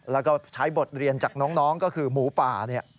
แล้วก็ใช้บทเรียนจากน้องก็คือหมูป่าเนี่ย